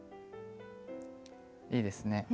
いいですね。